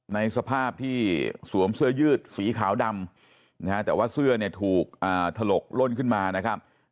ในสภาพที่สวมเสื้อยืดสีขาวดำนะฮะแต่ว่าเสื้อเนี่ยถูกถลกล่นขึ้นมานะครับ